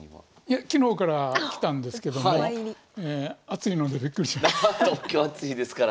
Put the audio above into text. いや昨日から来たんですけども暑いのでびっくりしました。